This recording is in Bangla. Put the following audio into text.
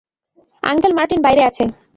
আঙ্কেল মার্টিন বাইরে আছে।